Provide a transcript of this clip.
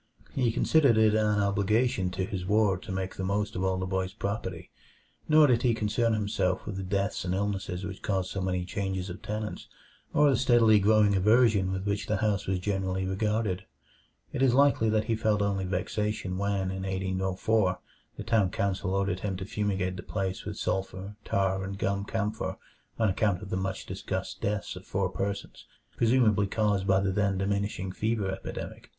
He considered it an obligation to his ward to make the most of all the boy's property, nor did he concern himself with the deaths and illnesses which caused so many changes of tenants, or the steadily growing aversion with which the house was generally regarded. It is likely that he felt only vexation when, in 1804, the town council ordered him to fumigate the place with sulfur, tar, and gum camphor on account of the much discussed deaths of four persons, presumably caused by the then diminishing fever epidemic.